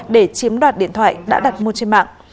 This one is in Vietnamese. để chiếm đoạt điện thoại đã đặt mua trên mạng